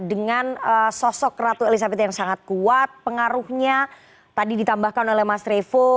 dengan sosok ratu elizabeth yang sangat kuat pengaruhnya tadi ditambahkan oleh mas revo